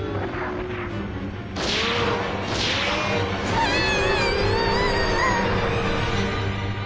わあ！